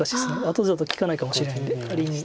後だと利かないかもしれないので仮に。